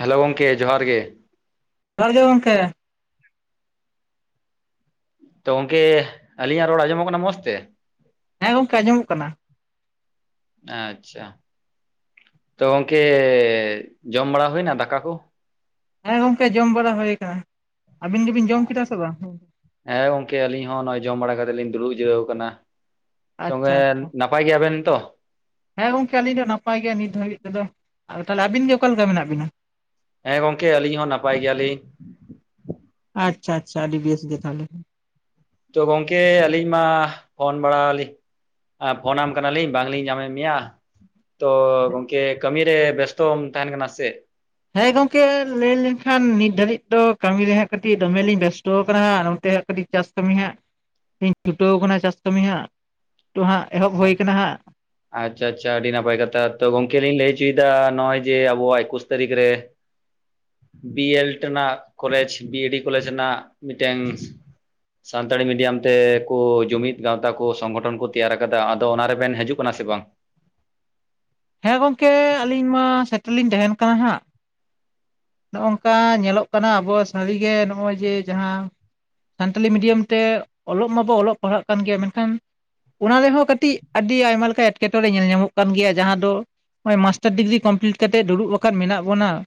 Hello ᱜᱚᱝᱠᱮ ᱡᱚᱦᱟᱨ ᱜᱮ ᱾ ᱡᱚᱦᱟᱨ ᱜᱮ ᱜᱚᱝᱠᱮ ᱾ ᱛᱚ ᱜᱚᱝᱠᱮ ᱟᱹᱞᱤᱧᱟᱜ ᱨᱚᱲ ᱟᱸᱡᱚᱢᱚᱜ ᱠᱟᱱᱟ ᱢᱚᱸᱡᱽ ᱛᱮ? ᱦᱮᱸ ᱜᱚᱝᱠᱮ ᱟᱸᱡᱚᱢᱚᱜ ᱠᱟᱱᱟ ᱾ [inaudible] ᱟᱪᱪᱷᱟ ᱾ ᱛᱚ ᱜᱚᱝᱠᱮ ᱡᱚᱢ ᱵᱟᱲᱟ ᱦᱩᱭᱱᱟ ᱫᱟᱠᱟ ᱠᱩ? ᱦᱮᱸ ᱜᱚᱝᱠᱮ ᱡᱚᱢ ᱵᱟᱲᱟ ᱦᱩᱭ ᱟᱠᱟᱱᱟ ᱾ ᱟᱵᱤᱱ ᱜᱮᱵᱤᱱ ᱡᱚᱢ ᱠᱮᱫᱟ ᱥᱮ ᱵᱟᱝ? ᱦᱮᱸ ᱜᱚᱝᱠᱮ ᱾ ᱟᱞᱤᱧ ᱦᱚᱸ ᱱᱚᱜᱼᱚᱭ ᱡᱚᱢ ᱵᱟᱲᱟ ᱠᱟᱛᱮ ᱞᱤᱧ ᱫᱩᱲᱩᱵ ᱡᱤᱨᱟᱹᱣ ᱟᱠᱟᱱᱟ ᱾ ᱛᱳ ᱟᱪᱪᱷᱟ ᱟᱪᱪᱷᱟ ᱱᱟᱯᱟᱭ ᱜᱮᱭᱟᱵᱮᱱ ᱛᱚ? ᱦᱮᱸ ᱜᱚᱝᱠᱮ ᱾ ᱟᱹᱞᱤᱧ ᱫᱚ ᱱᱟᱯᱟᱭ ᱜᱮᱭᱟ ᱱᱤᱛ ᱫᱷᱟᱹᱵᱤᱡ ᱛᱮᱫᱚ ᱾ ᱛᱟᱦᱚᱞᱮ ᱟᱵᱤᱱ ᱜᱮ ᱚᱠᱟ ᱞᱮᱠᱟ ᱢᱮᱱᱟᱜ ᱵᱤᱱᱟ? ᱦᱮᱸ ᱜᱚᱝᱠᱮ ᱾ ᱟᱹᱞᱤᱧ ᱦᱚᱸ ᱱᱟᱯᱟᱭ ᱜᱮᱭᱟᱞᱤᱧ ᱾ ᱟᱪᱪᱷᱟ ᱟᱪᱪᱷᱟ ᱾ ᱟᱹᱰᱤ ᱵᱮᱥ ᱜᱮ ᱛᱟᱦᱚᱞᱮ ᱾ ᱛᱚ ᱜᱚᱢᱠᱮ ᱟᱹᱞᱤᱧ ᱢᱟ ᱯᱷᱳᱱ ᱵᱟᱲᱟᱞᱤᱧ ᱟᱨ ᱯᱷᱳᱱᱟᱢ ᱠᱟᱱᱟ ᱞᱤᱧ ᱵᱟᱝ ᱞᱤᱧ ᱧᱟᱢᱮᱫ ᱢᱮᱭᱟ ᱾ ᱛᱚ ᱜᱚᱝᱠᱮ ᱠᱟᱹᱢᱤᱨᱮ ᱵᱮᱥᱛᱚᱢ ᱛᱟᱦᱮᱱ ᱠᱟᱱᱟ ᱥᱮ ᱪᱮᱫ ᱦᱮᱸ ᱜᱚᱢᱠᱮ ᱞᱟᱹᱭ ᱞᱮᱱ ᱠᱷᱟᱱ ᱱᱤᱛᱚ ᱫᱷᱟᱹᱨᱤᱡ ᱫᱚ ᱠᱟᱹᱢᱤ ᱨᱮ ᱦᱟᱸᱜ ᱠᱟᱹᱴᱤᱡ ᱫᱚᱢᱮ ᱞᱤᱧ ᱵᱮᱥᱛᱚ ᱟᱠᱟᱱᱟ ᱦᱟᱜ ᱚᱱᱛᱮ ᱦᱟᱸᱜ ᱠᱟᱹᱴᱤᱡ ᱪᱟᱥ ᱠᱟᱹᱢᱤ ᱦᱟᱸᱜ ᱤᱧ ᱪᱷᱩᱴᱟᱹᱣ ᱟᱠᱟᱱᱟ ᱪᱟᱥ ᱠᱟᱹᱢᱤ ᱦᱟᱸᱜ ᱛᱚ ᱦᱟᱸᱜ ᱮᱦᱚᱵ ᱦᱩᱭ ᱟᱠᱟᱱᱟ ᱦᱟᱸᱜ ᱟᱪᱪᱷᱟ ᱟᱪᱪᱷᱟ ᱾ ᱟᱹᱰᱤ ᱱᱟᱯᱟᱭ ᱠᱟᱛᱷᱟ ᱾ ᱛᱚ ᱜᱚᱝᱠᱮ ᱞᱤᱧ ᱞᱟᱹᱭ ᱚᱪᱚᱭᱮᱫᱟ ᱱᱚᱜᱼᱚᱭ ᱡᱮ ᱟᱵᱚᱣᱟᱜ ᱮᱠᱩᱥ ᱛᱟᱹᱨᱤᱠᱷ ᱨᱮ [inaudible] ᱵᱤ ᱮᱰ ᱨᱮᱱᱟᱜ college B E D college ᱨᱮᱱᱟᱜ ᱢᱤᱫᱴᱮᱱ ᱥᱟᱱᱛᱟᱲᱤ ᱢᱤᱰᱤᱭᱟᱢ ᱛᱮ ᱠᱚ ᱡᱩᱢᱤᱫ ᱜᱟᱶᱛᱟ ᱠᱚ ᱥᱚᱝᱜᱚᱴᱷᱚᱱ ᱠᱚ ᱛᱮᱭᱟᱨ ᱟᱠᱟᱫᱟ ᱟᱠᱟᱫᱟ ᱟᱫᱚ ᱚᱱᱟ ᱨᱮᱵᱮᱱ ᱦᱤᱡᱩᱜ ᱠᱟᱱᱟ ᱥᱮ ᱵᱟᱝ? ᱦᱮᱸ ᱜᱚᱝᱠᱮ ᱾ ᱟᱹᱞᱤᱧ ᱢᱟ ᱥᱮᱴᱮᱨ ᱞᱤᱧ ᱛᱟᱦᱮᱱ ᱠᱟᱱᱟ ᱦᱟᱸᱜ ᱾ ᱱᱚᱜᱼᱚ ᱱᱚᱝᱠᱟ ᱧᱮᱞᱚᱜ ᱠᱟᱱᱟ ᱟᱵᱚᱣᱟᱜ ᱥᱟᱹᱨᱤᱜᱮ ᱱᱚᱜᱼᱚᱭ ᱡᱮ ᱡᱟᱦᱟᱸ ᱥᱟᱱᱛᱟᱞᱤ ᱢᱤᱰᱤᱭᱟᱢ ᱛᱮ ᱚᱞᱚᱜ ᱢᱟᱵᱚ ᱚᱞᱚᱜ ᱯᱟᱲᱦᱟᱜ ᱠᱟᱱ ᱜᱮᱭᱟ ᱢᱮᱱᱠᱷᱟᱱ ᱚᱱᱟ ᱨᱮᱦᱚᱸ ᱠᱟᱹᱴᱤᱡ ᱟᱹᱰᱤ ᱟᱭᱢᱟ ᱞᱮᱠᱟ ᱮᱸᱴᱠᱮᱴᱚᱬᱮ ᱧᱮᱞ ᱧᱟᱢᱚᱜ ᱠᱟᱱ ᱜᱮᱭᱟ ᱡᱟᱦᱟᱸ ᱫᱚ ᱱᱚᱜᱼᱚᱭ ᱢᱟᱥᱴᱟᱨ ᱰᱤᱜᱽᱨᱤ ᱠᱚᱢᱯᱞᱤᱴ ᱠᱟᱛᱮ ᱫᱩᱲᱩᱵ ᱟᱠᱟᱱ ᱢᱮᱱᱟᱜ ᱵᱚᱱᱟ ᱾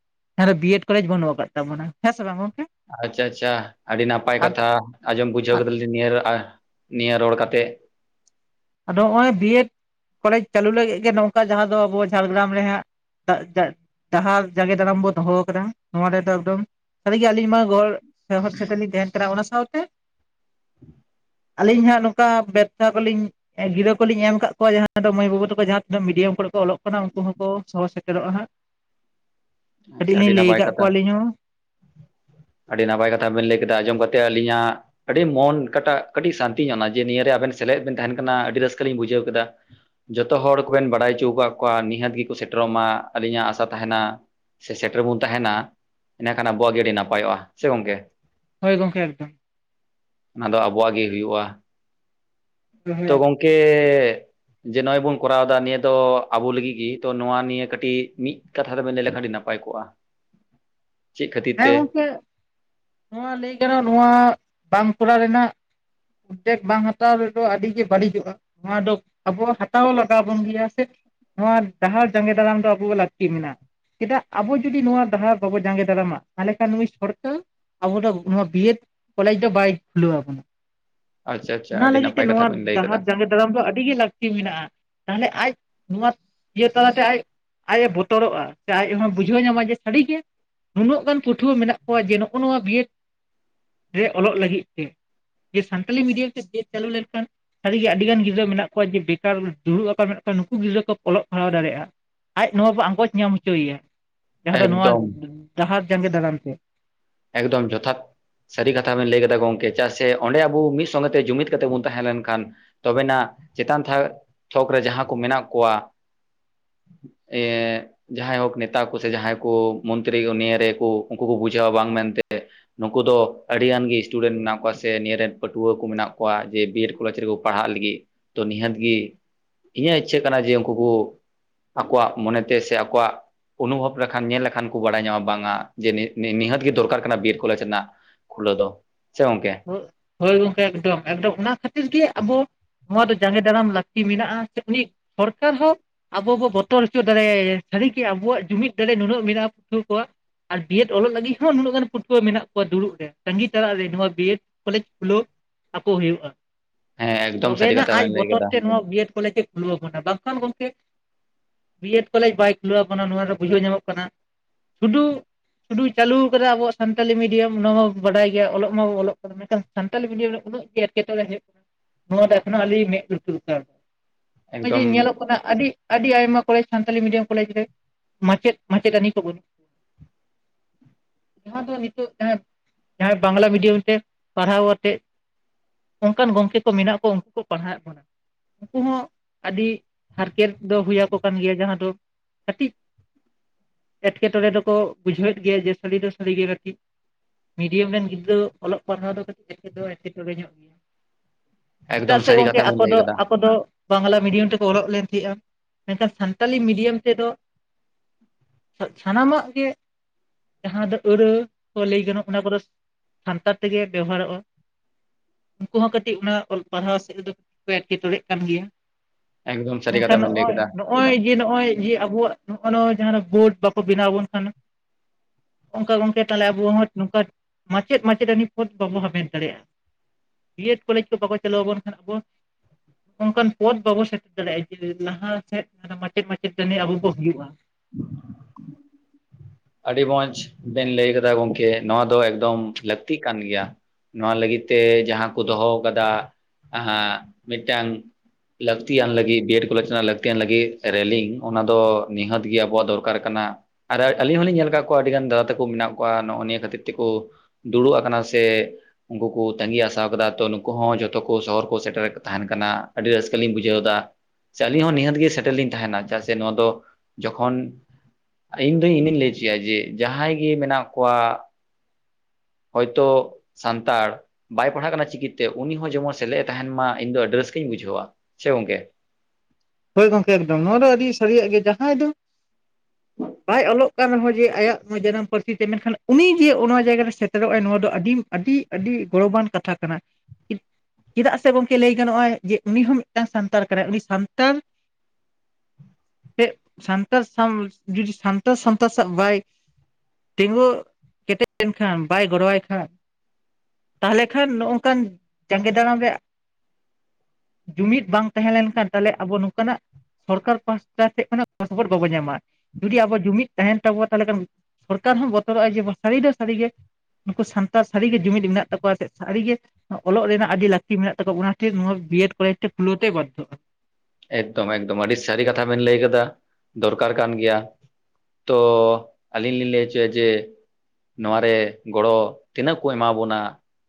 ᱦᱮᱸᱵᱤᱭᱮᱰ ᱠᱚᱞᱮᱡᱽ ᱵᱟᱹᱱᱩᱜ ᱟᱠᱟᱫ ᱛᱟᱵᱚᱱᱟ ᱦᱮᱸ ᱥᱮ ᱵᱟᱝ ᱜᱚᱝᱠᱮ ᱟᱪᱪᱷᱟ ᱟᱪᱪᱷᱟ ᱾ ᱟᱹᱰᱤ ᱱᱟᱯᱟᱭ ᱟᱨ ᱠᱟᱛᱷᱟ ᱟᱸᱡᱚᱢ ᱵᱩᱡᱷᱟᱹᱣ ᱟᱨ ᱠᱮᱫᱟᱞᱤᱧ ᱱᱤᱭᱟᱹ ᱱᱤᱭᱟᱹ ᱨᱚᱲ ᱠᱟᱛᱮ ᱟᱫᱚ ᱱᱚᱜᱼᱚᱭ ᱵᱤᱭᱮᱰ ᱠᱚᱞᱮᱡᱽ ᱪᱟᱹᱞᱩ ᱞᱟᱹᱜᱤᱫ ᱜᱮ ᱱᱚᱝᱠᱟ ᱡᱟᱦᱟᱸ ᱫᱚ ᱟᱵᱚ ᱡᱷᱟᱲᱜᱨᱟᱢ ᱨᱮᱦᱟᱸᱜ ᱫᱟᱜ [unintelligible] ᱰᱟᱦᱟᱨ ᱡᱟᱸᱜᱮ ᱫᱟᱨᱟᱢ ᱵᱚᱱ ᱫᱚᱦᱚ ᱟᱠᱟᱫᱟ ᱱᱚᱣᱟ ᱨᱮᱫᱚ ᱮᱠᱫᱚᱢ ᱥᱟᱹᱨᱤᱜᱮ ᱟᱹᱞᱤᱧ ᱢᱟ ᱜᱚᱲ ᱥᱚᱦᱚᱨ ᱥᱮᱴᱮᱨ ᱞᱤᱧ ᱛᱟᱦᱮᱱ ᱠᱟᱱᱟ ᱚᱱᱟ ᱥᱟᱶᱛᱮ᱾ ᱟᱹᱞᱤᱧ ᱦᱟᱸᱜ ᱱᱚᱝᱠᱟ ᱵᱮᱵᱽᱥᱟ ᱠᱚᱞᱤᱧ ᱜᱤᱫᱟᱹ ᱠᱚᱞᱤᱧ ᱮᱢ ᱠᱟᱜ ᱠᱚᱣᱟ ᱡᱟᱦᱟᱸ ᱫᱚ ᱢᱟᱹᱭ ᱵᱟᱹᱵᱩ ᱛᱟᱠᱚ ᱡᱟᱦᱟᱸ ᱛᱤᱱᱟᱹᱜ ᱢᱤᱰᱤᱭᱟᱢ ᱠᱚᱨᱮ ᱠᱚ ᱚᱞᱚᱜ ᱠᱟᱱᱟ ᱩᱱᱠᱩ ᱦᱚᱸᱠᱚ ᱥᱚᱦᱚ ᱥᱮᱴᱮᱨᱚᱜᱼᱟ ᱦᱟᱸᱜ ᱟᱪᱪᱷᱟ ᱠᱟᱹᱴᱤᱡ ᱟᱹᱰᱤ ᱞᱤᱧ ᱞᱟᱹᱭ ᱱᱟᱯᱟᱭ ᱠᱟᱜ ᱠᱟᱛᱷᱟ ᱠᱚᱣᱟ ᱟᱞᱤᱧ ᱦᱚᱸ᱾ ᱟᱹᱰᱤ ᱱᱟᱯᱟᱭ ᱠᱟᱛᱷᱟ ᱵᱮᱱ ᱞᱟᱹᱭ ᱠᱮᱫᱟ ᱟᱸᱡᱚᱢ ᱠᱟᱛᱮ ᱟᱹᱞᱤᱧᱟᱜ ᱟᱹᱰᱤ ᱢᱚᱱᱠᱟᱴᱟᱜ ᱠᱟᱹᱴᱤᱡ ᱥᱟᱱᱛᱤ ᱧᱟᱢᱟᱭ ᱡᱮ ᱱᱤᱭᱟᱹᱨᱮ ᱟᱵᱮᱱ ᱥᱮᱞᱮᱫ ᱵᱮᱱ ᱛᱟᱦᱮᱱ ᱠᱟᱱᱟ ᱟᱹᱰᱤ ᱨᱟᱹᱥᱠᱟᱹ ᱞᱤᱧ ᱵᱩᱡᱷᱟᱹᱣ ᱠᱮᱫᱟ᱾ ᱡᱚᱛᱚ ᱦᱚᱲ ᱠᱚᱵᱮᱱ ᱵᱟᱲᱟᱭ ᱦᱚᱪᱚ ᱟᱠᱟᱫ ᱠᱚᱣᱟ ᱱᱤᱦᱟᱹᱛ ᱜᱮᱠᱚ ᱥᱮᱴᱮᱨᱚᱜ ᱢᱟ ᱟᱹᱞᱤᱧᱟᱜ ᱟᱥᱟ ᱛᱟᱦᱮᱱᱟ ᱥᱮ ᱥᱮᱴᱮᱨ ᱵᱚᱱ ᱛᱟᱦᱮᱱᱟ ᱮᱱᱰᱮᱠᱷᱟᱱ ᱟᱵᱚᱣᱟᱜ ᱜᱮ ᱟᱹᱰᱤ ᱱᱟᱯᱟᱭᱚᱜᱼᱟ ᱥᱮ ᱜᱚᱢᱠᱮ ᱦᱳᱭ ᱜᱚᱢᱠᱮ ᱮᱠᱫᱚᱢ ᱚᱱᱟ ᱫᱚ ᱟᱵᱚᱣᱟᱜ ᱜᱮ ᱦᱩᱭᱩᱜᱼᱟ᱾ ᱦᱳᱭ ᱛᱚ ᱮᱠᱫᱚᱢ ᱜᱚᱝᱠᱮ ᱡᱮ ᱱᱚᱜᱼᱚᱭ ᱵᱚᱱ ᱠᱚᱨᱟᱣᱫᱟ ᱱᱤᱭᱟᱹ ᱫᱚ ᱟᱵᱚ ᱞᱟᱹᱜᱤᱫ ᱜᱮ ᱛᱚ ᱱᱚᱣᱟ ᱱᱤᱭᱟᱹ ᱠᱟᱹᱴᱤᱡ ᱢᱤᱫ ᱠᱟᱛᱷᱟ ᱛᱮᱵᱮᱱ ᱞᱟᱹᱭ ᱞᱮᱠᱷᱟᱱ ᱟᱹᱰᱤ ᱱᱟᱯᱟᱭ ᱠᱚᱜᱼᱟ᱾ [inaudible] ᱪᱮᱫ ᱠᱷᱟᱹᱛᱤᱨ ᱦᱮᱸ ᱛᱮ ᱜᱚᱝᱠᱮ ᱱᱚᱣᱟ ᱞᱟᱹᱭ ᱜᱟᱱᱚᱜ ᱱᱚᱣᱟ ᱵᱟᱝ ᱠᱚᱨᱟᱣ ᱨᱮᱱᱟᱜ ᱩᱫᱽᱫᱮᱠ ᱵᱟᱝ ᱦᱟᱛᱟᱣ ᱨᱮᱫᱚ ᱟᱹᱰᱤ ᱜᱮ ᱵᱟᱹᱲᱤᱡᱚᱜᱼᱟ᱾ ᱱᱚᱣᱟ ᱫᱚ ᱟᱵᱚ ᱦᱟᱛᱟᱣ ᱞᱟᱜᱟᱣ ᱵᱚᱱ ᱜᱮᱭᱟ ᱥᱮ ᱱᱚᱣᱟ ᱰᱟᱦᱟᱨ ᱡᱟᱸᱜᱮ ᱫᱟᱨᱟᱢ ᱫᱚ ᱟᱵᱚ ᱞᱟᱹᱠᱛᱤ ᱢᱮᱱᱟᱜᱼᱟ᱾ ᱪᱮᱫᱟᱜ ᱟᱵᱚ ᱡᱩᱫᱤ ᱱᱚᱣᱟ ᱰᱟᱦᱟᱨ ᱵᱟᱵᱚ ᱡᱟᱸᱜᱮ ᱫᱟᱨᱟᱢᱟ, ᱛᱟᱦᱚᱞᱮ ᱠᱷᱟᱱ ᱱᱩᱭ ᱥᱚᱨᱠᱟᱨ ᱟᱵᱚ ᱫᱚ ᱱᱚᱣᱟ ᱵᱤᱭᱮᱰ ᱠᱚᱞᱮᱡᱽ ᱫᱚ ᱵᱟᱭ ᱠᱷᱩᱞᱟᱹ ᱟᱵᱚᱱᱟ ᱟᱪᱪᱷᱟ ᱟᱪᱪᱷᱟ ᱚᱱᱟ ᱟᱹᱰᱤ ᱞᱟᱹᱜᱤᱫ ᱛᱮ ᱱᱟᱯᱟᱭ ᱠᱟᱛᱷᱟ ᱱᱚᱣᱟ ᱵᱮᱱ ᱞᱟᱹᱭ ᱠᱟᱫᱟ ᱰᱟᱦᱟᱨ ᱡᱟᱸᱜᱮ ᱡᱚᱵᱟᱵ ᱫᱚ ᱟᱹᱰᱤᱜᱮ ᱞᱟᱹᱠᱛᱤ ᱢᱮᱱᱟᱜᱼᱟ ᱛᱟᱦᱚᱞᱮ ᱟᱡ ᱱᱚᱣᱟ ᱤᱭᱟᱹ ᱛᱟᱞᱟᱛᱮ ᱟᱡ ᱟᱡ ᱮ ᱵᱚᱛᱚᱨᱚᱜᱼᱟ ᱥᱮ ᱟᱡ ᱦᱚᱸᱭ ᱵᱩᱡᱷᱟᱹᱣ ᱧᱟᱢᱟ ᱡᱮ ᱥᱟᱹᱨᱜᱮ ᱱᱩᱱᱟᱹᱜ ᱜᱟᱱ ᱯᱟᱹᱴᱷᱩᱣᱟᱹ ᱢᱮᱱᱟᱜ ᱠᱚᱣᱟ ᱡᱮ ᱱᱚᱜᱼᱚ ᱱᱚᱣᱟ ᱵᱷᱤᱭᱮᱴ ᱨᱮ ᱚᱞᱚᱜ ᱞᱟᱹᱜᱤᱫ ᱛᱮ᱾ ᱡᱮ ᱥᱟᱱᱛᱟᱞᱤ ᱢᱤᱰᱤᱭᱟᱢ ᱛᱮ ᱪᱮᱫ ᱪᱟᱞᱩ ᱞᱮᱱᱠᱷᱟᱱ ᱥᱟᱹᱨᱤᱜᱮ ᱟᱹᱰᱤ ᱜᱟᱱ ᱜᱤᱫᱽᱨᱟᱹ ᱢᱮᱱᱟᱜ ᱠᱚᱣᱟ ᱡᱮ ᱵᱮᱠᱟᱨ ᱫᱩᱲᱩᱵ ᱟᱠᱟᱱ ᱢᱮᱱᱟᱜ ᱠᱚᱣᱟ ᱱᱩᱠᱩ ᱜᱤᱫᱽᱨᱟᱹ ᱠᱚ ᱚᱞᱚᱜ ᱯᱟᱲᱦᱟᱣ ᱫᱟᱲᱮᱭᱟᱜᱼᱟ᱾ ᱟᱡ ᱱᱚᱣᱟ ᱠᱚ ᱟᱸᱜᱚᱪ ᱧᱟᱢ ᱦᱚᱪᱚᱭᱮᱭᱟ ᱡᱟᱦᱟᱸ ᱫᱚ ᱱᱚᱣᱟ ᱮᱠᱫᱚᱢ ᱰᱟᱦᱟᱨ ᱡᱟᱸᱜᱮ ᱫᱟᱬᱟᱱ ᱛᱮ᱾ ᱮᱠᱫᱚᱢ ᱡᱚᱛᱷᱟᱛ ᱥᱟᱹᱨᱤ ᱠᱟᱛᱷᱟ ᱵᱮᱱ ᱞᱟᱹᱭ ᱠᱮᱫᱟ ᱜᱚᱢᱠᱮ ᱪᱮᱫᱟᱜ ᱥᱮ ᱚᱸᱰᱮ ᱟᱵᱚ ᱢᱤᱫ ᱥᱚᱸᱜᱮ ᱛᱮ ᱡᱩᱢᱤᱫ ᱠᱟᱛᱮ ᱵᱚᱱ ᱛᱟᱦᱮᱸ ᱞᱮᱱᱠᱷᱟᱱ ᱛᱚᱵᱮᱱᱟᱜ ᱪᱮᱛᱟᱱ ᱛᱷᱟ ᱛᱷᱚᱠ ᱨᱮ ᱡᱟᱦᱟᱸ ᱠᱚ ᱢᱮᱱᱟᱜ ᱠᱚᱣᱟ ᱮᱻ ᱡᱟᱦᱟᱸᱭ ᱦᱳᱠ ᱱᱮᱛᱟ ᱠᱚ ᱥᱮ ᱡᱟᱦᱟᱸᱭ ᱠᱚ ᱢᱚᱱᱛᱨᱤ ᱱᱤᱭᱟᱹᱨᱮᱠᱚ ᱩᱱᱠᱩ ᱠᱚ ᱵᱩᱡᱷᱟᱹᱣᱟ ᱵᱟᱝ ᱢᱮᱱᱛᱮ ᱱᱩᱠᱩ ᱫᱚ ᱟᱹᱰᱤᱜᱟᱱ ᱜᱮ ᱥᱴᱩᱰᱮᱱᱴ ᱢᱮᱱᱟᱜ ᱠᱚᱣᱟ ᱥᱮ ᱱᱤᱭᱟᱹ ᱨᱮᱱ ᱯᱟᱹᱴᱷᱩᱣᱟᱹ ᱠᱚ ᱢᱮᱱᱟᱜ ᱠᱚᱣᱟ ᱡᱮ ᱵᱤ ᱠᱚᱞᱮᱡᱽ ᱨᱮᱠᱚ ᱯᱟᱲᱦᱟᱜ ᱞᱟᱹᱜᱤᱫ ᱛᱚ ᱱᱤᱦᱟᱹᱛ ᱜᱮ ᱤᱧᱟᱹᱜ ᱤᱪᱪᱷᱟᱹᱜ ᱠᱟᱱᱟ ᱡᱮ ᱩᱱᱠᱩ ᱠᱚ ᱟᱠᱚᱣᱟᱜ ᱢᱚᱱᱮᱛᱮ ᱥᱮ ᱟᱠᱚᱣᱟᱜ ᱚᱱᱩᱵᱷᱚᱵ ᱞᱮᱠᱷᱟᱱ ᱧᱮᱞ ᱞᱮᱠᱷᱟᱱ ᱠᱚ ᱵᱟᱲᱟᱭ ᱧᱟᱢᱟ ᱵᱟᱝᱟ ᱡᱮ ᱱᱮ ᱱᱮ ᱱᱤᱦᱟᱹᱛ ᱜᱮ ᱫᱚᱨᱠᱟᱨ᱾ [unintelligible] ᱵᱤᱭᱮᱰ ᱠᱚᱞᱮᱡᱽ ᱨᱮᱱᱟᱜ ᱠᱷᱩᱞᱟᱹᱣ ᱫᱚ ᱥᱮ ᱜᱚᱝᱠᱮ ᱦᱳᱭ ᱜᱚᱝᱠᱮ ᱮᱠᱫᱚᱢ ᱮᱠᱫᱚᱢ ᱚᱱᱟ ᱠᱷᱟᱹᱛᱤᱨ ᱜᱮ ᱟᱵᱚ ᱱᱚᱣᱟ ᱫᱚ ᱡᱟᱸᱜᱮ ᱫᱟᱨᱟᱢ ᱞᱟᱹᱠᱛᱤ ᱢᱮᱱᱟᱜᱼᱟ ᱥᱮ ᱩᱱᱤ ᱥᱚᱨᱠᱟᱨ ᱦᱚᱸ ᱟᱵᱚ ᱵᱚ ᱵᱚᱛᱚᱨ ᱦᱚᱪᱚ ᱫᱟᱲᱮᱭᱟᱭᱟ ᱥᱟᱹᱨᱤ ᱜᱮ ᱟᱵᱚᱣᱟᱜ ᱡᱩᱢᱤᱫ ᱫᱟᱲᱮ ᱱᱩᱱᱟᱹᱜ ᱢᱮᱱᱟᱜᱼᱟ ᱯᱟᱹᱴᱷᱩᱣᱟᱹ ᱠᱚᱣᱟᱜ ᱟᱨ ᱵᱤᱭᱮᱰ ᱚᱞᱚᱜ ᱞᱟᱹᱜᱤᱫ ᱦᱚᱸ ᱱᱩᱱᱟᱹᱜ ᱜᱟᱱ ᱯᱟᱹᱴᱷᱩᱣᱟᱹ ᱢᱮᱱᱟᱜ ᱠᱚᱣᱟ ᱫᱩᱲᱩᱵ ᱨᱮ ᱛᱺᱜᱤ ᱛᱟᱲᱟᱜ ᱨᱮ ᱱᱚᱣᱟ ᱵᱤᱭᱮᱰ ᱠᱚᱞᱮᱡᱽ ᱠᱷᱩᱞᱟᱹᱣ ᱟᱠᱚ ᱦᱩᱭᱩᱜᱼᱟ᱾ ᱦᱮᱸ ᱮᱠᱫᱚᱢ ᱥᱟᱹᱨᱤ ᱛᱚᱵᱮᱱᱟ ᱠᱟᱛᱷᱟ ᱟᱡ ᱵᱮᱱ ᱞᱟᱹᱭ ᱵᱚᱛᱚᱨ ᱠᱟᱫᱟ ᱛᱮ ᱱᱚᱣᱟ ᱵᱤᱭᱮᱰ ᱠᱚᱞᱮᱡ ᱠᱷᱩᱞᱣᱟᱵᱚᱱᱟ ᱵᱟᱝᱠᱷᱟᱱ ᱜᱚᱝᱠᱮ ᱵᱤᱭᱮᱰ ᱠᱚᱞᱮᱡᱽ ᱵᱟᱭ ᱠᱷᱩᱞᱟᱹᱣᱟ ᱵᱚᱱᱟ ᱱᱚᱣᱟ ᱫᱚ ᱵᱩᱡᱷᱟᱹᱣ ᱧᱟᱢᱚᱜ ᱠᱟᱱᱟ ᱥᱩᱫᱩ ᱥᱩᱫᱩ ᱪᱟᱞᱩ ᱟᱠᱟᱫᱟ ᱟᱵᱚᱣᱟᱜ ᱥᱟᱱᱛᱟᱞᱤ ᱢᱤᱰᱤᱭᱟᱢ ᱚᱱᱟ ᱢᱟᱵᱚᱱ ᱵᱟᱰᱟᱭ ᱜᱮᱭᱟ ᱚᱞᱚᱜ ᱢᱟ ᱚᱞᱚᱜ ᱢᱮᱱᱠᱷᱟᱱ ᱥᱟᱱᱛᱟᱞᱤ ᱢᱤᱰᱤᱟᱢ ᱨᱮ ᱩᱱᱟᱹᱜ ᱜᱮ ᱮᱴᱠᱮᱴᱬᱮ ᱦᱩᱭᱩᱜ ᱱᱚᱣᱟ ᱫᱚ ᱮᱠᱷᱚᱱ ᱟᱞᱤ ᱢᱮᱫ ᱞᱩᱛᱩᱨᱛ ᱱᱚᱜᱼᱚᱭ ᱡᱮ ᱮᱠᱫᱚᱢ ᱧᱮᱞᱚᱜ ᱠᱟᱱᱟ ᱟᱹᱰᱤ ᱟᱹᱰᱤ ᱟᱭᱢᱟ ᱠᱚᱞᱮᱡᱽ ᱥᱟᱱᱛᱟᱞᱤ ᱢᱤᱰᱤᱭᱟᱢ ᱠᱚᱞᱮᱡᱽ ᱨᱮ ᱢᱟᱪᱮᱫ ᱢᱟᱪᱮᱛᱟᱱᱤ ᱠᱚ ᱵᱟᱹᱱᱩᱜ ᱡᱟᱦᱟᱸ ᱫᱚ ᱱᱤᱛᱚᱜ ᱡᱟᱦᱟᱸ ᱡᱟᱦᱟᱸᱭ ᱵᱟᱝᱞᱟ ᱢᱤᱰᱤᱭᱟᱢ ᱛᱮ ᱯᱟᱲᱦᱟᱣ ᱟᱛᱮᱫ ᱚᱱᱠᱟᱱ ᱜᱚᱝᱠᱮ ᱠᱚ ᱢᱮᱱᱟᱜ ᱠᱚ ᱩᱱᱠᱩ ᱠᱚ ᱯᱟᱲᱦᱟᱣᱮᱫ ᱵᱚᱱᱟ ᱩᱱᱠᱩ ᱦᱚᱸ ᱟᱹᱰᱤ ᱦᱟᱨᱠᱮᱛ ᱫᱚ ᱦᱩᱭ ᱟᱠᱚ ᱠᱟᱱ ᱜᱮᱭᱟ ᱡᱟᱦᱟᱸ ᱫᱚ ᱠᱟᱹᱴᱤᱡ ᱮᱴᱠᱮᱴᱚᱬᱮ ᱫᱚᱠᱚ ᱵᱩᱡᱷᱟᱹᱣ ᱮᱫ ᱜᱮᱭᱟ ᱡᱮ ᱥᱟᱹᱲᱤ ᱫᱚ ᱥᱟᱹᱲᱤ ᱜᱮ [inaudible] ᱢᱤᱰᱤᱭᱟᱢ ᱨᱮᱱ ᱜᱤᱫᱽᱨᱟᱹ ᱚᱞᱚᱜ ᱯᱟᱲᱦᱟᱜ ᱫᱚ ᱠᱟᱹᱴᱤᱡ [inaudible] ᱫᱚ ᱮᱸᱴᱠᱮᱴᱚᱬᱮ ᱧᱚᱜ ᱜᱮᱭᱟ ᱮᱠᱫᱚᱢ ᱪᱮᱫᱟᱜ ᱥᱮ ᱥᱟᱹᱨᱤ ᱜᱚᱝᱠᱮ ᱠᱟᱛᱷᱟ ᱵᱮᱱ ᱟᱠᱚ ᱞᱟᱹᱭ ᱫᱚ ᱠᱟᱫᱟ ᱟᱠᱚ ᱫᱚ ᱵᱟᱝᱞᱟ ᱢᱤᱰᱤᱭᱟᱢ ᱛᱮᱠᱚ ᱚᱞᱚᱜ ᱞᱮᱱ ᱛᱟᱦᱮᱸᱜᱼᱟ ᱢᱮᱱᱠᱷᱟᱱ ᱥᱟᱱᱛᱟᱞᱤ ᱢᱤᱰᱤᱭᱟᱢ ᱛᱮᱫᱚ ᱥᱟᱱᱟᱢᱟᱜ ᱜᱮ ᱡᱟᱦᱟᱸ ᱫᱚ ᱟᱹᱲᱟᱹ ᱠᱚ ᱞᱟᱹᱭ ᱜᱟᱱᱚᱜᱼᱟ ᱚᱱᱟ ᱠᱚᱫᱚ ᱥᱟᱱᱛᱟᱲ ᱛᱮᱜᱮ ᱵᱮᱣᱦᱟᱨᱚᱜᱼᱟ ᱩᱱᱠᱩ ᱦᱚᱸ ᱠᱟᱹᱴᱤᱡ ᱚᱱᱟ ᱚᱞᱚᱜ ᱯᱟᱲᱦᱟᱣ ᱥᱮᱫ ᱫᱚ ᱠᱚ ᱮᱸᱴᱠᱮᱴᱚᱲᱮᱜ ᱠᱟᱱ ᱜᱮᱭᱟ ᱮᱠᱫᱚᱢ ᱥᱟᱹᱨᱤ ᱠᱟᱛᱷᱟ ᱢᱮᱱᱠᱷᱟᱱ ᱵᱮᱱ ᱞᱟᱹᱭ ᱱᱚᱜᱼᱚᱭ ᱠᱟᱫᱟ ᱱᱚᱜᱼᱚᱭ ᱡᱮ ᱱᱚᱜᱼᱚᱭ ᱡᱮ ᱟᱵᱚᱣᱟᱜ ᱱᱚᱜ ᱱᱚᱣᱟ ᱡᱟᱦᱟᱸᱱᱟᱜ ᱵᱳᱴ ᱵᱟᱠᱚ ᱵᱮᱱᱟᱣ ᱵᱚᱱ ᱠᱟᱱᱟ ᱚᱱᱠᱟ ᱜᱚᱝᱠᱮ ᱛᱟᱦᱚᱞᱮ ᱟᱵᱚ ᱦᱚᱸ ᱱᱚᱝᱠᱟ ᱢᱟᱪᱮᱫ ᱢᱟᱪᱮᱛᱟᱹᱱᱤ ᱯᱚᱫ ᱵᱟᱵᱚᱱ ᱦᱟᱢᱮᱴ ᱫᱟᱲᱮᱭᱟᱜᱼᱟ ᱵᱤᱭᱮᱰ ᱠᱚᱞᱮᱡᱽ ᱠᱚ ᱵᱟᱠᱚ ᱪᱟᱹᱞᱩᱣᱟᱵᱚᱱ ᱠᱷᱟᱱ ᱟᱵᱚ ᱚᱱᱠᱟᱱ ᱯᱚᱫ ᱵᱟᱵᱚ ᱥᱮᱴᱮᱨ ᱫᱟᱲᱮᱭᱟᱜᱼᱟ ᱡᱮ ᱞᱟᱦᱟᱥᱮᱫ ᱢᱟᱪᱮᱫ ᱢᱟᱪᱮᱛᱟᱹᱱᱤ ᱟᱵᱚ ᱵᱚ ᱦᱩᱭᱩᱜᱼᱟ [inaudible] ᱟᱹᱰᱤ ᱢᱚᱸᱡᱽ ᱵᱮᱱ ᱞᱟᱹᱭ ᱠᱟᱫᱟ ᱜᱚᱢᱠᱮ ᱱᱚᱣᱟ ᱫᱚ ᱮᱠᱫᱚᱢ ᱞᱟᱹᱠᱛᱤ ᱠᱟᱱ ᱜᱮᱭᱟ ᱱᱚᱣᱟ ᱞᱟᱹᱜᱤᱫ ᱛᱮ ᱡᱟᱦᱟᱸ ᱠᱚ ᱫᱚᱦᱚᱣ ᱠᱟᱫᱟ ᱢᱤᱫᱴᱟᱝ ᱞᱟᱹᱠᱛᱤᱭᱟᱱ ᱞᱟᱹᱜᱤᱫ ᱵᱮᱭᱮᱰ [inaudible] ᱩᱞ ᱞᱟᱹᱠᱛᱤᱭᱟᱱ ᱞᱟᱹᱜᱤᱫ ᱨᱮᱞᱤᱝ ᱚᱱᱟ ᱫᱚ ᱱᱤᱦᱟᱹᱛ ᱜᱮ ᱟᱵᱚᱣᱟᱜ ᱫᱚᱨᱠᱟᱨ ᱠᱟᱱᱟ ᱟᱨ ᱟᱹᱞᱤᱧ ᱦᱚᱸᱞᱤᱧ ᱧᱮᱞ ᱟᱠᱟᱫ ᱠᱚᱣᱟ ᱟᱹᱰᱤ ᱜᱟᱱ ᱫᱟᱫᱟ ᱛᱟᱠᱚ ᱢᱮᱱᱟᱜ ᱠᱚᱣᱟ ᱱᱚᱜᱼᱚ ᱱᱤᱭᱟᱹ ᱠᱷᱟᱹᱛᱤᱨ ᱛᱮᱠᱚ ᱫᱩᱲᱩᱵ ᱟᱠᱟᱱᱟ ᱥᱮ ᱩᱱᱠᱩ ᱠᱚ ᱛᱟᱸᱜᱤ ᱟᱥᱟᱣ ᱠᱟᱫᱟ ᱛᱚ ᱱᱩᱠᱩ ᱦᱚᱸ ᱡᱷᱚᱛᱚ ᱠᱚ ᱥᱚᱦᱚᱨ ᱠᱚ ᱥᱮᱴᱮᱨ ᱛᱟᱦᱮᱱ ᱠᱟᱱᱟ ᱟᱹᱰᱤ ᱨᱟᱹᱥᱠᱟᱹ ᱞᱤᱧ ᱵᱩᱡᱷᱟᱹᱣ ᱫᱟ ᱥᱮ ᱟᱹᱞᱤᱧ ᱦᱚᱸ ᱱᱤᱦᱟᱹᱛ ᱜᱮ ᱥᱮᱴᱮᱨ ᱞᱤᱧ ᱛᱟᱦᱮᱱᱟ ᱪᱮᱫᱟᱜ ᱥᱮ ᱱᱚᱣᱟ ᱫᱚ ᱡᱚᱠᱷᱚᱱ ᱤᱧ [unintelligible] ᱟᱫᱚ ᱤᱧᱫᱩᱧ ᱞᱟᱹᱭ ᱠᱮᱭᱟ ᱡᱮ ᱡᱟᱦᱟᱸᱭ ᱜᱮ ᱢᱮᱱᱟᱜ ᱠᱚᱣᱟ ᱦᱚᱭᱛᱚ ᱥᱟᱱᱛᱟᱲ ᱵᱟᱭ ᱯᱟᱲᱦᱟᱜ ᱠᱟᱱᱟ ᱪᱤᱠᱤᱛᱮ ᱩᱱᱤ ᱦᱚᱸ ᱡᱮᱢᱚᱱ ᱥᱮᱞᱮᱫ ᱮ ᱛᱟᱦᱮᱱ ᱢᱟ ᱤᱧ ᱫᱚ ᱟᱹᱰᱤ ᱨᱟᱹᱥᱠᱟᱹᱧ ᱵᱩᱡᱷᱟᱹᱣᱟ ᱪᱮ ᱜᱟᱢᱠᱮ ᱦᱳᱭ ᱜᱚᱝᱠᱮ ᱮᱠᱫᱚᱢ ᱱᱚᱣᱟ ᱫᱚ ᱟᱹᱰᱤ ᱥᱟᱹᱨᱤᱭᱟᱜ ᱜᱮ ᱡᱟᱦᱟᱸᱭ ᱫᱚ ᱵᱟᱭ ᱚᱞᱚᱜ ᱠᱟᱱ ᱨᱮᱦᱚᱸ ᱡᱮ ᱟᱭᱟᱜ ᱱᱚᱣᱟ ᱡᱟᱱᱟᱢ ᱯᱟᱹᱨᱥᱤ ᱛᱮ ᱢᱮᱱᱠᱷᱟᱱ ᱩᱱᱤ ᱡᱮ ᱚᱱᱟ ᱡᱟᱭᱜᱟ ᱨᱮ ᱥᱮᱴᱮᱨᱚᱜᱼ ᱟᱭ ᱱᱚᱣᱟ ᱫᱚ ᱟᱹᱰᱤ ᱟᱹᱰᱤ ᱟᱹᱰᱤ ᱜᱚᱨᱚᱵᱟᱱ ᱠᱟᱛᱷᱟ ᱠᱟᱱᱟ ᱪᱮᱫᱟᱜ ᱥᱮ ᱜᱚᱝᱠᱮ ᱞᱟᱹᱭ ᱜᱟᱱᱚᱜᱼᱟ ᱡᱮ ᱩᱱᱤ ᱦᱚᱸ ᱢᱤᱫᱴᱟᱱ ᱥᱟᱱᱛᱟᱲ ᱠᱟᱱᱟᱭ ᱩᱱᱤ ᱥᱟᱱᱛᱟᱲ [unintelligible] ᱥᱮ ᱥᱟᱱᱛ ᱡᱩᱫᱤ ᱥᱟᱱᱛᱟᱲ ᱥᱟᱱᱛᱟᱲ ᱥᱟᱣ ᱵᱟᱭ ᱛᱤᱸᱜᱩ ᱠᱮᱴᱮᱡ ᱞᱮᱱ ᱠᱷᱟᱱ ᱵᱟᱭ ᱜᱚᱲᱚᱣᱟᱭ ᱠᱷᱟᱱ ᱛᱟᱦᱚᱞᱮ ᱠᱷᱟᱱ ᱱᱚᱜᱝᱠᱟᱱ ᱡᱟᱸᱜᱮ ᱫᱟᱲᱟᱢ ᱨᱮᱭᱟᱜ ᱡᱩᱢᱤᱫ ᱵᱟᱝ ᱛᱟᱦᱮᱸ ᱞᱮᱱᱠᱷᱟᱱ ᱛᱟᱦᱚᱞᱮ ᱟᱵᱚ ᱱᱚᱝᱠᱟᱱᱟᱜ ᱥᱚᱨᱠᱟᱨ ᱯᱟᱥᱴᱟ ᱥᱮᱫ ᱠᱷᱚᱱᱟᱜ ᱜᱚᱲ ᱥᱚᱯᱚᱦᱚᱫ ᱵᱟᱵᱚ ᱧᱟᱢᱟ ᱡᱩᱫᱤ ᱟᱵᱚ ᱡᱩᱢᱤᱫ ᱛᱟᱦᱮᱱ ᱛᱟᱵᱚᱱᱟ ᱛᱟᱦᱚᱞᱮ ᱠᱷᱟᱱ ᱥᱚᱨᱠᱟᱨ ᱦᱚᱸ ᱵᱚᱛᱚᱨᱚᱜᱼᱟᱭ ᱡᱮ ᱥᱟᱹᱨᱤ ᱫᱚ ᱥᱟᱹᱨᱤ ᱜᱮ ᱱᱩᱠᱩ ᱥᱟᱱᱛᱟᱲ ᱥᱟᱹᱨᱤ ᱜᱮ ᱡᱩᱢᱤᱫ ᱢᱮᱱᱟᱜ ᱛᱟᱠᱚᱣᱟ ᱥᱟᱹᱨᱤ ᱜᱮ ᱚᱞᱚᱜ ᱨᱮᱱᱟᱜ ᱟᱹᱰᱤ ᱞᱟᱹᱠᱛᱤ ᱢᱮᱱᱟᱜ ᱛᱟᱠᱚᱣᱟ ᱚᱱᱟ ᱠᱷᱟᱛᱤᱨ ᱱᱚᱣᱟ ᱵᱤ ᱮᱰ ᱠᱚᱞᱡᱽ ᱛᱮ ᱠᱷᱩᱞᱟᱹᱣ ᱛᱮ ᱵᱟᱫᱽᱫᱷᱚᱜᱼᱟ᱾ ᱮᱠᱫᱚᱢ ᱮᱠᱫᱚᱢ ᱟᱹᱰᱤ ᱥᱟᱹᱨᱤ ᱠᱟᱛᱷᱟ ᱵᱮᱱ ᱞᱟᱹᱭ ᱟᱠᱟᱫᱟ ᱫᱚᱨᱠᱟᱨ ᱠᱟᱱ ᱜᱮᱭᱟ᱾ ᱛᱚ ᱟᱹᱞᱤᱧ ᱞᱤᱧ ᱞᱟᱹᱭ ᱦᱚᱪᱚᱭᱟ, ᱡᱮ ᱱᱚᱣᱟ ᱨᱮ ᱜᱚᱲᱚ ᱛᱤᱱᱟᱹᱜ ᱠᱚ ᱮᱢᱟ ᱵᱚᱱᱟ?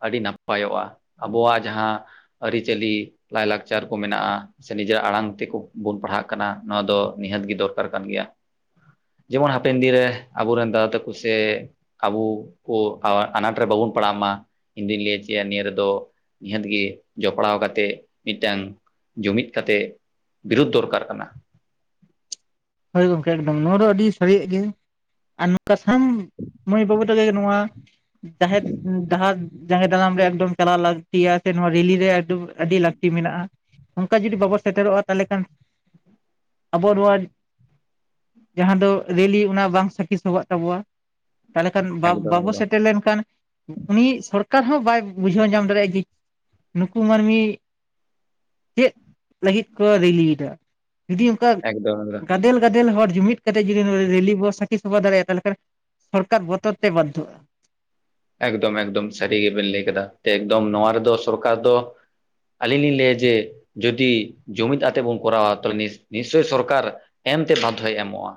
ᱟᱹᱰᱤ ᱱᱟᱯᱟᱭᱚᱜᱼᱟ ᱟᱵᱚᱣᱟᱜ ᱡᱟᱦᱟᱸ ᱟᱹᱨᱤᱪᱟᱹᱞᱤ ᱞᱟᱭᱼᱞᱟᱠᱪᱟᱨ ᱠᱚ ᱢᱮᱱᱟᱜᱼᱟ ᱥᱮ ᱱᱤᱡᱮᱨᱟᱜ ᱟᱲᱟᱝ ᱛᱮᱠᱚ ᱵᱚᱱ ᱯᱟᱲᱦᱟᱜ ᱠᱟᱱᱟ ᱱᱚᱣᱟ ᱫᱚ ᱱᱤᱦᱟᱹᱛ ᱜᱮ ᱫᱚᱨᱠᱟᱨ ᱠᱟᱱ ᱜᱮᱭᱟ ᱡᱮᱢᱚᱱ ᱦᱟᱯᱮᱱ ᱫᱤᱱ ᱨᱮ ᱟᱵᱚᱨᱮᱱ ᱫᱟᱫᱟ ᱛᱟᱠᱚ ᱥᱮ ᱟᱵᱚ ᱠᱚ ᱟᱱᱟᱴ ᱨᱮ ᱵᱟᱵᱚᱱ ᱯᱟᱲᱟᱜ ᱢᱟ ᱤᱧ ᱫᱩᱧ ᱞᱟᱹᱭ ᱦᱚᱪᱚᱭᱟ ᱱᱤᱭᱟᱹ ᱨᱮᱫᱚ ᱱᱤᱦᱟᱹᱛ ᱜᱮ ᱡᱚᱯᱲᱟᱣ ᱠᱟᱛᱮᱫ ᱢᱤᱫᱴᱟᱝ ᱡᱩᱢᱤᱫ ᱠᱟᱛᱮ ᱵᱤᱨᱩᱫᱷ ᱫᱚᱨᱠᱟᱨ ᱠᱟᱱᱟ ᱦᱳᱭ ᱜᱚᱝᱠᱮ ᱮᱠᱚᱢ ᱱᱚᱣᱟ ᱫᱚ ᱟᱹᱰᱤ ᱥᱟᱹᱨᱤᱭᱟᱜ ᱜᱮ ᱟᱨ ᱠᱟᱥᱟᱢ ᱢᱟᱹᱭ ᱵᱟᱹᱵᱩ ᱛᱟᱞᱮ ᱱᱚᱣᱟ ᱡᱟᱦᱮᱨ ᱰᱟᱦᱟᱨ ᱡᱟᱸᱜᱮ ᱫᱟᱨᱟᱢ ᱨᱮ ᱮᱠᱫᱚᱢ ᱪᱟᱞᱟᱣ ᱞᱟᱹᱠᱛᱤᱭᱟ ᱥᱮ ᱱᱚᱣᱟ ᱨᱤᱞᱤ ᱨᱮ ᱟᱹᱰᱤ ᱞᱟᱹᱠᱛᱤ ᱢᱮᱱᱟᱜᱼᱟ ᱚᱱᱠᱟ ᱡᱩᱫᱤ ᱵᱟᱵᱚ ᱥᱮᱴᱮᱨᱚᱜᱼᱟ ᱛᱟᱦᱚᱞᱮ ᱠᱷᱟᱱ ᱟᱵᱚ ᱱᱚᱣᱟ [inaudible] ᱡᱟᱦᱟᱸ ᱫᱚ ᱨᱮᱞᱤ ᱚᱱᱟ ᱵᱟᱝ ᱥᱟᱹᱠᱷᱤ ᱥᱚᱵᱷᱟᱜ ᱛᱟᱵᱚᱣᱟ ᱛᱟᱦᱚᱞᱮ ᱠᱷᱟᱱ ᱵᱟᱝ ᱮᱠᱫᱚᱢ ᱵᱟᱵᱚ ᱮᱠᱫᱚᱢ ᱥᱮᱴᱮᱨ ᱞᱮᱱᱠᱷᱟᱱ, ᱩᱱᱤ ᱥᱚᱨᱠᱟᱨ ᱦᱚᱸ ᱵᱟᱭ ᱵᱩᱡᱷᱟᱹᱣ ᱧᱟᱢ ᱫᱟᱲᱮᱭᱟᱜᱼᱟ ᱡᱮ ᱱᱩᱠᱩ ᱢᱟᱹᱱᱢᱤ ᱪᱮᱫ ᱞᱟᱹᱜᱤᱫ ᱠᱚ ᱨᱮᱞᱤᱭᱫᱟ ᱡᱩᱫᱤ ᱚᱱᱠᱟ ᱮᱠᱫᱚᱢ ᱮᱠᱫᱚᱢ ᱜᱟᱫᱮᱞ ᱜᱟᱫᱮᱞ ᱦᱚᱲ ᱡᱩᱢᱤᱫ ᱠᱟᱛᱮ ᱡᱩᱫᱤ ᱱᱚᱰᱮ ᱨᱮᱞᱤ ᱵᱚᱱ ᱥᱟᱠᱷᱤ ᱥᱚᱵᱷᱟ ᱫᱟᱲᱮᱭᱟᱜᱼᱛᱟᱦᱚᱞᱮ ᱠᱷᱟᱱ ᱥᱚᱨᱠᱟᱨ ᱵᱚᱛᱚᱨ ᱛᱮ ᱵᱟᱫᱽᱫᱷᱚᱜᱼᱟ᱾ ᱮᱠᱫᱚᱢ ᱮᱠᱫᱚᱢ ᱥᱟᱹᱨᱤ ᱜᱮ ᱵᱮᱱ ᱞᱟᱹᱭ ᱠᱮᱫᱟ ᱮᱠᱫᱚᱢ ᱱᱚᱣᱟ ᱨᱮᱫᱚ ᱥᱚᱨᱠᱟᱨ ᱫᱚ ᱟᱹᱞᱤᱧ ᱞᱤᱧ ᱞᱟᱹᱭᱟ ᱡᱮ ᱡᱩᱫᱤ ᱡᱩᱢᱤᱫ ᱟᱛᱮᱫ ᱵᱚᱱ ᱠᱚᱨᱟᱣᱟ, ᱛᱟᱦᱚᱞᱮ ᱱᱤᱥᱪᱚᱭ ᱥᱚᱨᱠᱟᱨ ᱮᱢᱛᱮ ᱵᱟᱫᱽᱫᱷᱚᱭ ᱮᱢᱚᱜᱼᱟ᱾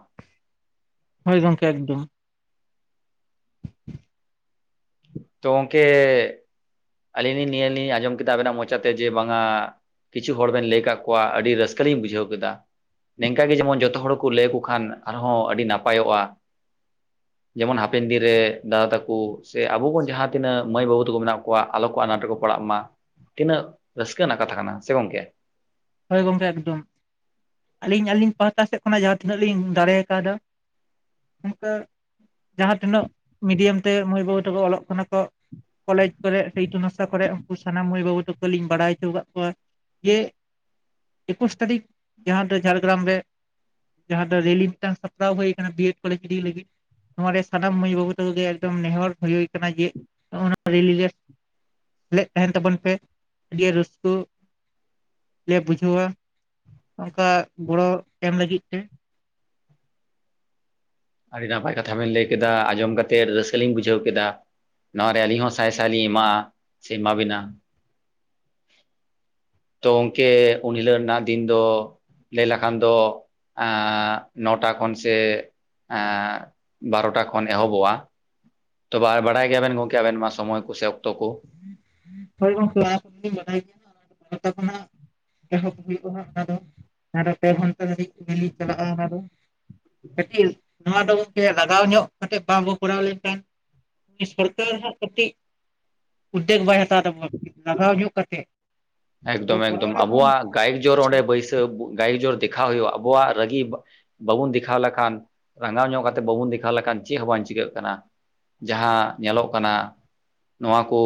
ᱦᱳᱭ ᱜᱚᱢᱠᱮ ᱮᱠᱫᱚᱢ᱾ ᱛᱚ ᱜᱚᱝᱠᱮ ᱟᱹᱞᱤᱧ ᱞᱤᱧ ᱱᱤᱭᱟᱹ ᱞᱤᱧ ᱟᱸᱡᱚᱢ ᱠᱮᱫᱟ ᱟᱵᱮᱱᱟᱜ ᱢᱚᱪᱟᱛᱮ ᱡᱮ ᱵᱟᱝ-ᱟ ᱠᱤᱪᱷᱩ ᱦᱚᱲ ᱵᱮᱱ ᱞᱟᱹᱭ ᱠᱟᱫ ᱠᱚᱣᱟ ᱟᱹᱰᱤ ᱨᱟᱹᱥᱠᱟᱹ ᱞᱤᱧ ᱵᱩᱡᱷᱟᱹᱣ ᱠᱮᱫᱟ᱾ ᱱᱤᱝᱠᱟᱹ ᱜᱮ ᱡᱮᱢᱚᱱ ᱡᱚᱛᱚ ᱦᱚᱲ ᱠᱚ ᱞᱟᱹᱭᱟᱠᱚ ᱠᱷᱟᱱ ᱟᱨᱦᱚᱸ ᱟᱹᱰᱤ ᱱᱟᱯᱟᱭᱚᱜᱼᱟ᱾ ᱡᱮᱢᱚᱱ ᱦᱟᱯᱮᱱ ᱫᱤᱱ ᱨᱮ ᱫᱟᱫᱟ ᱛᱟᱠᱚ ᱥᱮ ᱟᱵᱚ ᱵᱚᱱ ᱡᱟᱦᱟᱸ ᱛᱤᱱᱟᱹᱜ ᱢᱟᱹᱭ ᱵᱟᱹᱵᱩ ᱛᱟᱠᱚ ᱢᱮᱱᱟᱜ ᱠᱚᱣᱟᱜ ᱟᱞᱚ ᱠᱚ ᱟᱱᱟᱴ ᱨᱮᱠᱚ ᱯᱟᱲᱟᱜ ᱢᱟ, ᱛᱤᱱᱟᱹᱜ ᱨᱟᱹᱥᱠᱟᱹ ᱨᱮᱱᱟᱜ ᱠᱟᱛᱷᱟ ᱠᱟᱱᱟ ᱥᱮ ᱜᱚᱢᱠᱮ? ᱦᱳᱭ ᱜᱚᱝᱠᱮ ᱮᱠᱫᱚᱢ ᱟᱹᱞᱤᱧ ᱟᱹᱞᱤᱧ ᱯᱟᱦᱟᱴᱟ ᱥᱮᱫ ᱠᱷᱚᱱᱟᱜ ᱡᱟᱦᱟᱸ ᱛᱤᱱᱟᱹᱜ ᱞᱤᱧ ᱫᱟᱲᱮ ᱟᱠᱟᱣᱫᱟ, ᱩᱱᱠᱟᱹ ᱡᱟᱦᱟᱸ ᱛᱤᱱᱟᱹᱜ ᱢᱤᱰᱤᱭᱟᱢ ᱛᱮ ᱢᱟᱹᱭ ᱵᱟᱹᱵᱩ ᱛᱟᱠᱚ ᱚᱞᱚᱜ ᱠᱟᱱᱟ ᱠᱚ, ᱠᱚᱞᱮᱡᱽ ᱠᱚᱨᱮ ᱥᱮ ᱤᱛᱩᱱ ᱟᱥᱲᱟ ᱠᱚᱨᱮ ᱩᱱᱠᱩ ᱥᱟᱱᱟᱢ ᱢᱟᱹᱭ ᱵᱟᱹᱵᱩ ᱛᱟᱠᱚ ᱞᱤᱧ ᱵᱟᱲᱟᱭ ᱦᱚᱪᱚ ᱟᱠᱟᱫ ᱠᱚᱣᱟ, ᱡᱮ ᱮᱠᱩᱥ ᱛᱟᱹᱨᱤᱠᱷ ᱡᱟᱦᱟᱸ ᱫᱚ ᱡᱷᱟᱲᱜᱨᱟᱢ ᱨᱮ ᱡᱟᱦᱟᱸ ᱫᱚ ᱨᱮᱞᱤ ᱢᱤᱫᱴᱟᱝ ᱥᱟᱯᱲᱟᱣ ᱦᱩᱭ ᱟᱠᱟᱱᱟ ᱵᱤᱭᱮᱰ ᱠᱚᱞᱮᱡᱽ ᱞᱟᱹᱜᱤᱫ᱾ ᱱᱚᱣᱟ ᱨᱮ ᱥᱟᱱᱟᱢ ᱢᱟᱹᱭ ᱵᱟᱹᱵᱩ ᱛᱟᱠᱚ ᱜᱮ ᱮᱠᱫᱚᱢ ᱱᱮᱦᱚᱨ ᱦᱳᱭ ᱠᱟᱱᱟ ᱡᱮ [inaudible] ᱨᱮᱞᱤ ᱨᱮ ᱥᱮᱞᱮᱫ ᱛᱟᱦᱮᱱ ᱛᱟᱵᱚᱱ ᱯᱮ ᱟᱹᱰᱤ ᱨᱟᱹᱥᱠᱟᱹ, ᱞᱮ ᱵᱩᱡᱷᱟᱹᱣᱟ ᱚᱱᱠᱟ ᱜᱚᱲᱚ ᱮᱢ ᱞᱟᱹᱜᱤᱫ ᱛᱮ ᱟᱹᱰᱤ ᱱᱟᱯᱟᱭ ᱠᱟᱛᱷᱟ ᱵᱮᱱ ᱞᱟᱹᱭ ᱠᱮᱫᱟ ᱟᱸᱚᱢ ᱠᱟᱛᱮᱜ ᱨᱟᱹᱥᱠᱟᱹ ᱞᱤᱧ ᱵᱩᱡᱷᱟᱹᱣ ᱠᱮᱫᱟ᱾ ᱱᱚᱣᱟ ᱨᱮ ᱟᱹᱞᱤᱧ ᱦᱚᱸ ᱥᱟᱭ ᱥᱟᱭ ᱞᱤᱧ ᱮᱢᱟᱜᱼᱟ ᱥᱮ ᱮᱢᱟᱵᱤᱱᱟ᱾ ᱛᱚ ᱜᱚᱢᱠᱮ ᱩᱱ ᱦᱤᱞᱳᱜ ᱨᱮᱱᱟᱜ ᱫᱤᱱ ᱫᱚ ᱞᱟᱹᱭ ᱞᱮᱠᱷᱟᱱ ᱫᱚ ᱮᱸ ᱱᱚᱴᱟ ᱠᱷᱚᱱ ᱥᱮ ᱮᱸ ᱵᱟᱨᱚᱴᱟ ᱠᱷᱚᱱ ᱮᱦᱚᱵᱚᱜᱼᱟ᱾ ᱛᱚ ᱵᱟᱲᱟᱭ ᱜᱮᱭᱟᱵᱮᱱ ᱜᱚᱢᱠᱮ ᱟᱵᱮᱱ ᱢᱟ ᱥᱚᱢᱚᱭ ᱠᱚ ᱥᱮ ᱚᱠᱛᱚ ᱠᱚ᱾ ᱦᱳᱭ ᱜᱚᱢᱠᱮ ᱚᱱᱟ ᱠᱚᱫᱚᱞᱤᱧ ᱵᱟᱰᱟᱭ ᱜᱮᱭᱟᱟ ᱦᱟᱸᱜ ᱚᱱᱟ ᱫᱚ ᱵᱟᱨᱳᱴᱟ ᱠᱷᱚᱱᱟᱜ ᱮᱦᱚᱵ ᱦᱩᱭᱩᱜᱼᱟ ᱦᱟᱸᱜ ᱚᱱᱟ ᱫᱚ᱾ ᱚᱱᱟ ᱫᱚ ᱯᱮ ᱜᱷᱚᱱᱴᱟ ᱫᱷᱟᱹᱵᱤᱡ ᱨᱮᱞᱤ ᱪᱟᱞᱟᱜᱼᱟ ᱚᱱᱟ ᱫᱚ᱾ ᱠᱟᱹᱴᱤᱡ ᱱᱚᱣᱟ ᱫᱚ ᱜᱚᱢᱠᱮ ᱞᱟᱜᱟᱣ ᱧᱚᱜ ᱠᱟᱛᱮ ᱵᱟᱵᱚ ᱠᱚᱨᱟᱣ ᱞᱮᱠᱷᱟᱱ, ᱩᱱᱤ ᱥᱚᱨᱠᱟᱨ ᱦᱚᱸ ᱠᱟᱹᱴᱤᱡ ᱩᱫᱽᱫᱮᱜ ᱵᱟᱭ ᱦᱟᱛᱟᱣ ᱛᱟᱵᱚᱱᱟ ᱞᱟᱜᱟᱣ ᱧᱚᱜ ᱠᱟᱛᱮᱫ᱾ ᱮᱠᱫᱚᱢ ᱮᱠᱫᱚᱢ ᱟᱵᱚᱣᱟᱜ ᱜᱟᱭᱤ ᱡᱳᱨ ᱚᱸᱰᱮ ᱵᱟᱹᱭᱥᱟᱹ ᱜᱟᱭᱤᱠ ᱡᱳᱨ ᱫᱮᱠᱷᱟᱣ ᱦᱳᱭᱳᱜᱼᱟ ᱟᱵᱚᱣᱟᱜ ᱨᱟᱹᱜᱤ ᱵᱟᱵᱚᱱ ᱫᱮᱠᱷᱟᱣ ᱞᱮᱠᱷᱟᱱ᱾ ᱨᱟᱸᱜᱟᱣ ᱧᱚᱜ ᱠᱟᱛᱮ ᱵᱟᱵᱚᱱ ᱫᱮᱠᱷᱟᱣ ᱞᱮᱠᱷᱟᱱ ᱪᱮᱫ ᱦᱚᱸ ᱵᱟᱝ ᱪᱤᱠᱟᱹᱜ ᱠᱟᱱᱟ? ᱡᱟᱦᱟᱸ ᱧᱮᱞᱚᱜ ᱠᱟᱱᱟ ᱱᱚᱣᱟ ᱠᱚ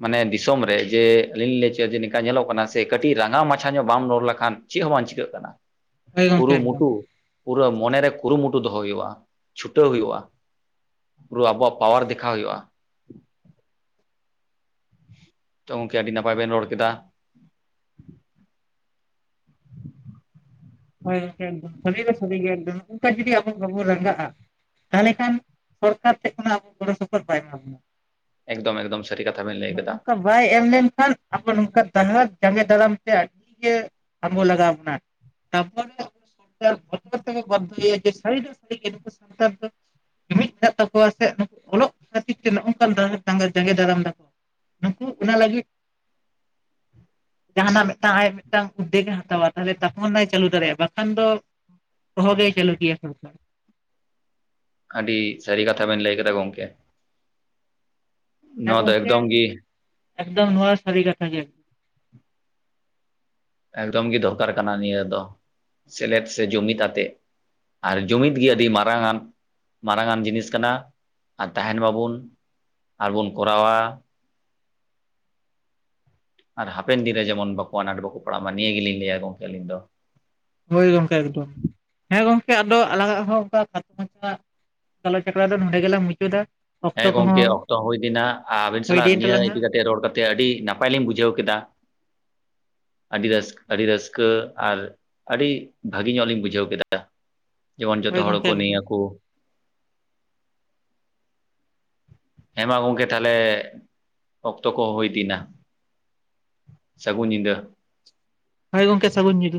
ᱢᱟᱱᱮ ᱫᱤᱥᱚᱢ ᱨᱮ ᱡᱮ ᱟᱹᱞᱤᱧ ᱞᱤᱧ ᱞᱟᱹᱭ ᱠᱮᱭᱟ ᱡᱮ ᱱᱤᱝᱠᱟ ᱧᱮᱞᱚᱜ ᱠᱟᱱᱟ ᱥᱮ ᱠᱟᱹᱴᱤᱡ ᱨᱟᱸᱜᱟ ᱢᱟᱪᱷᱟ ᱧᱚᱜ ᱵᱟᱢ ᱨᱚᱲ ᱞᱮᱠᱷᱟᱱ ᱪᱮᱫ ᱦᱚᱸ ᱵᱟᱝ ᱪᱤᱠᱟᱹᱜ ᱠᱟᱱᱟ᱾ ᱦᱳᱭ ᱜᱚᱝᱠᱮ ᱮᱠᱫᱚᱢ ᱠᱩᱨᱩᱢᱩᱴᱩ ᱯᱩᱨᱟᱹ ᱢᱚᱱᱮᱨᱮ ᱠᱩᱨᱩᱢᱩᱴᱩ ᱫᱚᱦᱚᱭ ᱦᱩᱭᱩᱜᱼᱟ, ᱪᱷᱩᱴᱟᱹᱣ ᱦᱩᱭᱩᱜᱼᱟ᱾ ᱯᱩᱨᱟᱹ ᱟᱵᱚᱣᱟᱜ ᱯᱟᱣᱟᱨ ᱫᱮᱠᱷᱟᱣ ᱦᱳᱭᱳᱜᱼᱟ᱾ ᱛᱚ ᱜᱚᱝᱠᱮ ᱟᱹᱰᱤ ᱱᱟᱯᱟᱭ ᱵᱮᱱ ᱨᱚᱲ ᱠᱮᱫᱟ᱾ ᱦᱳᱭ ᱜᱚᱢᱠᱮ ᱥᱟᱹᱨᱤ ᱫᱚ ᱥᱟᱹᱨᱤ ᱜᱮ [unintelligible] ᱱᱚᱝᱠᱟ ᱡᱩᱫᱤ ᱟᱵᱚ ᱵᱟᱵᱚᱱ ᱨᱟᱸᱜᱟᱜᱼᱟ, ᱛᱟᱦᱚᱞᱮ ᱠᱷᱟᱱ ᱥᱚᱨᱠᱟᱨ ᱴᱷᱮᱱ ᱠᱷᱚᱱᱟᱜ ᱟᱵᱚ ᱜᱚᱲᱚ ᱥᱚᱯᱚᱦᱚᱫ ᱵᱟᱭ ᱮᱢᱟ ᱵᱚᱱᱟ᱾ ᱮᱠᱫᱚᱢ ᱮᱠᱫᱚᱢ ᱥᱟᱹᱨᱤ ᱠᱟᱛᱷᱟ ᱵᱮᱱ ᱞᱟᱹᱭ ᱠᱟᱫᱟ᱾ ᱱᱚᱝᱠᱟ ᱵᱟᱭ ᱮᱢ ᱞᱮᱱᱠᱷᱟᱱ ᱟᱵᱚ ᱱᱚᱝᱠᱟ ᱰᱟᱦᱟᱨ ᱡᱟᱸᱜᱮ ᱫᱟᱨᱟᱢ ᱛᱮ ᱟᱹᱰᱤᱜᱮ ᱟᱵᱚ ᱞᱟᱜᱟᱣ ᱵᱚᱱᱟ᱾ [unintelligible] ᱡᱩᱢᱤᱫ ᱢᱮᱱᱟᱜ ᱛᱟᱠᱚᱣᱟ ᱥᱮ ᱱᱩᱠᱩ ᱚᱞᱚᱜ ᱠᱷᱟᱹᱛᱤᱨ ᱛᱮ ᱱᱚᱜᱼ ᱚᱱᱠᱟᱱ ᱰᱟᱦᱟᱨ ᱡᱟᱸᱜᱮ ᱫᱟᱨᱟᱢ ᱫᱟᱠᱚ᱾ ᱱᱩᱠᱩ ᱚᱱᱟ ᱞᱟᱹᱜᱤᱫ ᱡᱟᱦᱟᱱᱟᱜ ᱢᱤᱫᱴᱟᱝ ᱟᱡ ᱢᱤᱫᱴᱟᱝ ᱩᱫᱽᱫᱮᱜ ᱮ ᱦᱟᱛᱟᱣᱟ ᱛᱟᱦᱚᱞᱮ ᱛᱚᱠᱷᱚᱱ ᱪᱟᱞᱩ ᱫᱟᱲᱮ ᱵᱟᱝ ᱠᱷᱟᱱ ᱫᱚ ᱥᱚᱦᱚᱜᱮ ᱪᱟᱞᱩᱠᱮᱭᱟ᱾ ᱟᱹᱰᱤ ᱥᱟᱹᱨᱤ ᱠᱟᱛᱷᱟ ᱵᱮᱱ ᱞᱟᱹᱭ ᱠᱮᱫᱟ ᱜᱚᱝᱠᱮ᱾ ᱦᱮᱸ ᱱᱚᱣᱟ ᱫᱚ ᱜᱚᱢᱠᱮ ᱮᱠᱫᱚᱢ ᱜᱮ ᱮᱠᱫᱚᱢ ᱱᱚᱣᱟ ᱥᱟᱨᱤ ᱠᱟᱛᱷᱟ ᱜᱮ᱾ ᱮᱠᱫᱚᱢ ᱜᱮ ᱫᱚᱨᱠᱟᱨ ᱠᱟᱱᱟ ᱱᱤᱭᱟᱹ ᱫᱚ ᱥᱮᱞᱮᱫ ᱥᱮ ᱡᱩᱢᱤᱫ ᱟᱛᱮᱫ ᱟᱨ ᱡᱩᱢᱤᱫ ᱜᱮ ᱟᱹᱰᱤ ᱢᱟᱨᱟᱝ ᱟᱱ ᱢᱟᱨᱟᱝ ᱟᱱ ᱡᱤᱱᱤᱥ ᱠᱟᱱᱟ ᱟᱨ ᱛᱟᱦᱮᱱ ᱢᱟᱵᱚᱱ ᱟᱨᱵᱚᱱ ᱠᱚᱨᱟᱣᱟ᱾ ᱟᱨ ᱦᱟᱯᱮᱱ ᱫᱤᱱ ᱨᱮ ᱡᱮᱢᱚᱱ ᱵᱟᱠᱚ ᱟᱱᱟᱴ ᱵᱟᱠᱚ ᱯᱟᱲᱟᱜ ᱢᱟ ᱱᱤᱭᱟᱹ ᱜᱮᱞᱤᱧᱟᱹᱭᱟ ᱜᱚᱢᱠᱮ ᱟᱹᱞᱤᱧ ᱫᱚ᱾ ᱦᱳᱭ ᱜᱚᱝᱠᱮ ᱮᱠᱫᱚᱢ ᱦᱮᱸ ᱜᱚᱝᱠᱮ ᱟᱫᱚ ᱟᱞᱟᱜᱟᱜ ᱦᱚᱸ ᱚᱱ ᱢᱟᱪᱟᱜ ᱜᱟᱞᱚᱪ ᱟᱠᱷᱚᱲᱟ ᱫᱚ ᱱᱚᱰᱮ ᱜᱮᱞᱟᱝ ᱢᱩᱪᱟᱹᱫᱟ᱾ ᱚᱠᱛᱚ ᱦᱮᱸ ᱜᱚᱢᱠᱮ ᱠᱚᱦᱚᱸ ᱚᱠᱛᱚ ᱦᱩᱭ ᱞᱮᱱᱟ, ᱟᱹᱵᱤᱱ ᱦᱩᱭ ᱥᱟᱞᱟᱜ ᱤᱫᱤᱭᱮᱱ ᱱᱤᱭᱟᱹ ᱛᱟᱞᱟᱝᱟ ᱤᱫᱤ ᱠᱟᱛᱮ ᱨᱚᱲ ᱠᱟᱛᱮ ᱟᱹᱰᱤ ᱱᱟᱯᱟᱭ ᱞᱤᱧ ᱵᱩᱡᱷᱟᱹᱣ ᱠᱮᱫᱟ᱾ ᱟᱹᱰᱤ ᱨᱟᱹᱥ ᱟᱹᱰᱤ ᱨᱟᱹᱥᱠᱟᱹ ᱟᱨ ᱟᱹᱰᱤ ᱵᱷᱟᱹᱜᱮ ᱧᱚᱜ ᱞᱤᱧ ᱵᱩᱡᱷᱟᱹᱣ ᱠᱮᱫᱟ᱾ ᱡᱮᱢᱚᱱ ᱡᱚᱛᱚ ᱦᱳᱭ ᱦᱚᱲ ᱜᱚᱝᱠᱮ ᱠᱚ ᱮᱠᱫᱚᱢ ᱱᱮᱭᱟᱠᱚ ᱦᱮᱸ ᱢᱟ ᱜᱚᱢᱠᱮ ᱛᱟᱦᱚᱞᱮ ᱚᱠᱛᱚ ᱠᱚ ᱦᱩᱭᱤᱫᱱᱟ᱾ ᱥᱟᱹᱜᱩᱱ ᱧᱤᱫᱟᱹ ᱾ ᱦᱳᱭ ᱜᱚᱢᱠᱮ ᱥᱟᱹᱜᱩᱱ ᱧᱤᱫᱟᱹ᱾